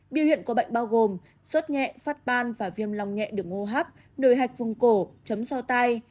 biểu hiện của bệnh bao gồm sốt nhẹ phát ban và viêm lòng nhẹ được ngô hấp nồi hạch vùng cổ chấm sau tay